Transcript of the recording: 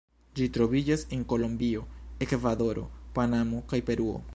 Ĝi troviĝas en Kolombio, Ekvadoro, Panamo, kaj Peruo.